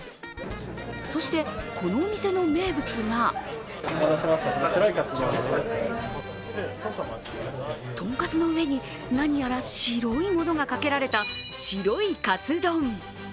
そして、このお店の名物がとんかつの上に、何やら白いものがかけられた白いカツ丼。